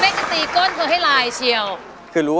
มากันเลยครับ